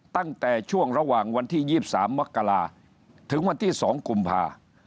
ตั้งแต่ช่วงระหว่างวันที่๒๓มกราถึงวันที่๒กุมภา